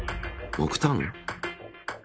木炭？